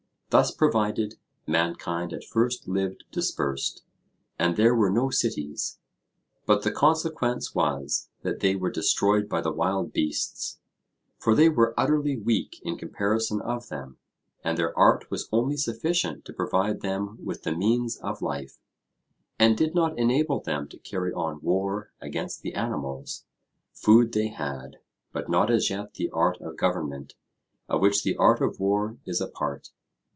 Thus provided, mankind at first lived dispersed, and there were no cities. But the consequence was that they were destroyed by the wild beasts, for they were utterly weak in comparison of them, and their art was only sufficient to provide them with the means of life, and did not enable them to carry on war against the animals: food they had, but not as yet the art of government, of which the art of war is a part.